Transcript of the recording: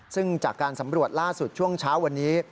ซึ่งจากการสำรวจล่าสุดช่วงเช้าวันนี้